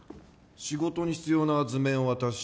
仕事に必要な図面を渡し